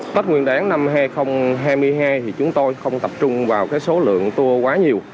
tết nguyên đáng năm hai nghìn hai mươi hai thì chúng tôi không tập trung vào số lượng tour quá nhiều